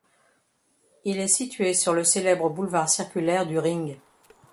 Il est situé sur le célèbre boulevard circulaire du Ring.